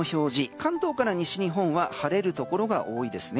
関東から西日本は晴れるところが多いですね。